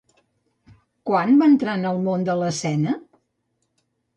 Quan va entrar en el món de l'escena?